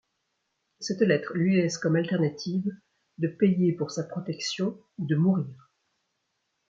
Cette lettre lui laisse comme alternative de payer pour sa protection ou de mourir.